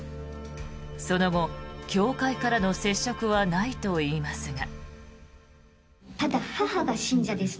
その後、教会からの接触はないといいますが。